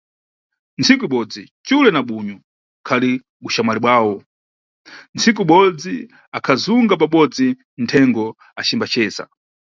Ntsiku ibodzi, xule na bunyu ukhali buxamwali bwawo, ntsiku ibodzi akhazunga pabodzi nthengo acimbaceza.